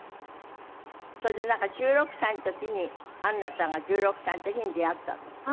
それでなんか１６歳の時にアンナさんが１６歳の時に出会ったんだって？